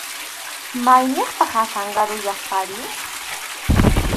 ¿Mayniqtaq Azángaro llaqtari?